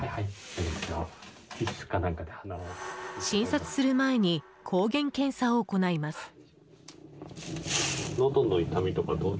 診察する前に抗原検査を行います。